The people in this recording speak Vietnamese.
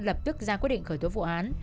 lập tức ra quyết định khởi thuật vụ án